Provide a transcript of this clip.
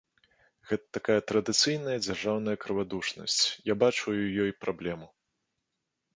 Гэта такая традыцыйная дзяржаўная крывадушнасць, я бачу ў ёй праблему.